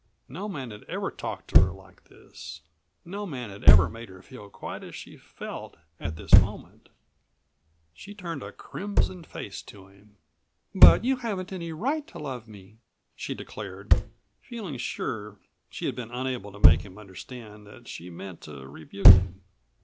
No man had ever talked to her like this; no man had ever made her feel quite as she felt at this moment. She turned a crimson face to him. "But you hadn't any right to love me," she declared, feeling sure that she had been unable to make him understand that she meant to rebuke him.